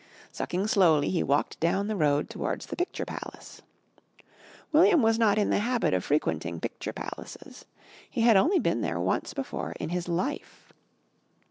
Sucking slowly, he walked down the road towards the Picture Palace. William was not in the habit of frequenting Picture Palaces. He had only been there once before in his life.